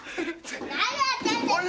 「何やってんですか？